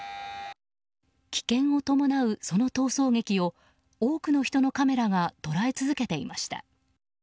危険を伴うその逃走劇を多くの人のカメラが捉え続けていました。